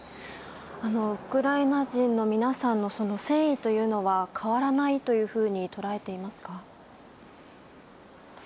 ウクライナ人たちの皆さんの戦意というのは変わらないというふうに捉えていますか？